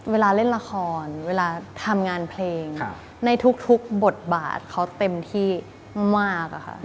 เวลาเล่นละครเวลาทำงานเพลงในทุกบทบาทเขาเต็มที่มากอะค่ะ